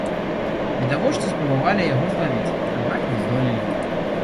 Відавочцы спрабавалі яго злавіць, аднак не здолелі.